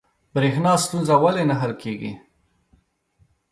بریښنا ستونزه ولې نه حل کیږي؟